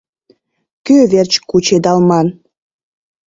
Кӧ верч кучедалман?